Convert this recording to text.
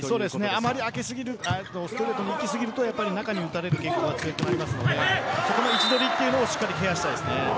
あまりストレートにいきすぎると中に打たれる傾向が強くなるので位置取りをしっかりケアしたいですね。